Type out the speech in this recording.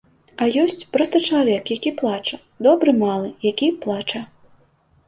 А ёсць проста чалавек, які плача, добры малы, які плача.